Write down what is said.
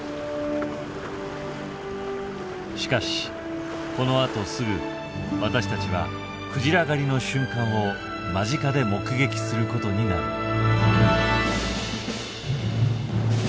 しかしこのあとすぐ私たちはクジラ狩りの瞬間を間近で目撃することになる。